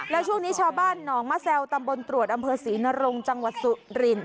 แล้วช่วงนี้ชาวบ้านหนองมะแซวตำบลตรวจอำเภอศรีนรงจังหวัดสุริน